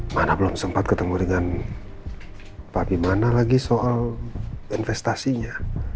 mana belum sempat ketemu dengan pak bimana lagi soal investasinya